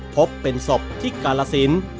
พบเป็นศพที่กาลสิน